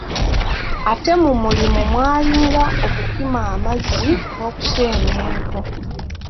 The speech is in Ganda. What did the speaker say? Ate mu mulimu mwalinga okukima amazzi n’okusennya enku.